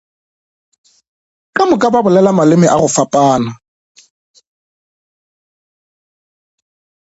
Ka moka ba bolela maleme a go fapana.